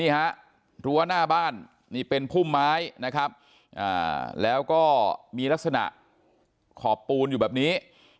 หัวหน้าบ้านเป็นพุ่มไม้แล้วก็มีลักษณะขอบปูนอยู่แบบนี้